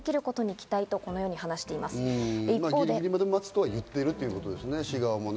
ギリギリまで待つとは言ってるということですね、市側もね。